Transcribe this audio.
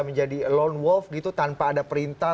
menjadi lone wolf gitu tanpa ada perintah